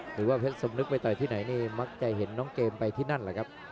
หรือว่าเพชรสมนึกไปต่อยที่ไหนนี่มักจะเห็นน้องเกมไปที่นั่นแหละครับ